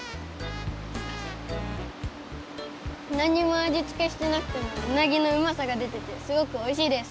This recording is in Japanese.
なんにもあじつけしてなくてもうなぎのうまさがでててすごくおいしいです。